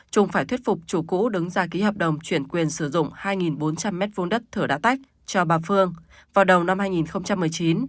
trung phải thuyết phục chủ cũ đứng ra ký hợp đồng chuyển quyền sử dụng hai bốn trăm linh m hai đất thửa đã tách cho bà phương vào đầu năm hai nghìn một mươi chín